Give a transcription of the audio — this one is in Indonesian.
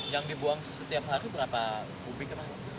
yang dibuang setiap hari berapa kubik